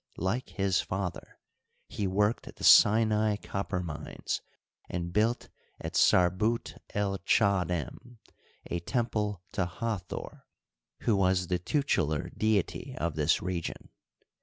Like his father, he worked the Sinai copper mines, and built at Sarbut el Chddem a temple to Hathor, who was the tutelar deity of this region.